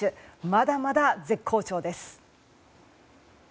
まだまだ絶好調です。